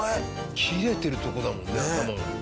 切れてるとこだもんね頭が。